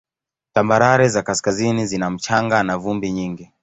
Tambarare za kaskazini zina mchanga na vumbi nyingi.